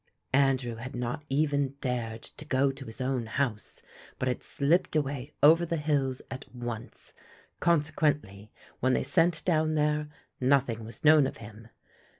Andrew had not even dared to go to his own house but had slipped away over the hills at once; consequently, when they sent down there, nothing was known of him.